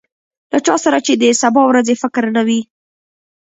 له چا سره چې د سبا ورځې فکر نه وي.